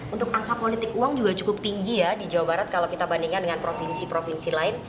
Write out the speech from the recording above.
untuk angka politik uang juga cukup tinggi ya di jawa barat kalau kita bandingkan dengan provinsi provinsi lain